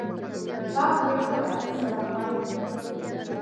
چاکلېټ د نارنج سره خوند کوي.